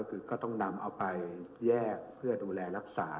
คือก็ต้องนำเอาไปแยกเพื่อดูแลรักษา